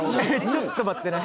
ちょっと待ってね